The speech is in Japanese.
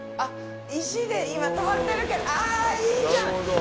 石で今止まってるけどあいいじゃん！